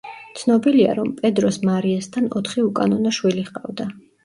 ცნობილია, რომ პედროს მარიასთან ოთხი უკანონო შვილი ჰყავდა.